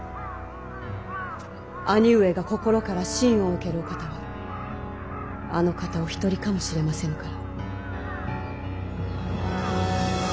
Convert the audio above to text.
兄上が心から信を置けるお方はあの方お一人かもしれませぬから。